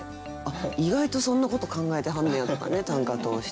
意外とそんなこと考えてはんねやとかね短歌通して。